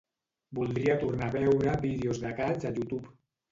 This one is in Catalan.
Voldria tornar a veure vídeos de gats a YouTube.